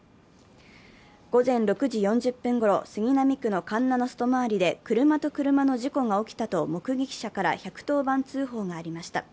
午前６時４０分ごろ、杉並区の環七外回りで車と車の事故が起きたと目撃者から１１０番通報がありました。